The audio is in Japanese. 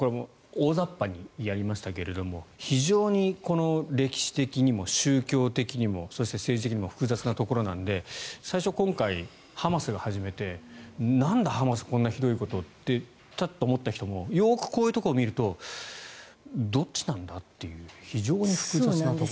大雑把にやりましたけれども非常に歴史的にも宗教的にもそして、政治的にも複雑なところなので最初、今回、ハマスが初めてなんだ、ハマスこんなひどいことってちょっと思った人もよくこういうところを見るとどっちなんだという非常に複雑なところが。